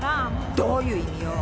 どういう意味よ！